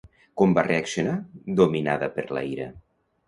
Com va reaccionar dominada per la ira?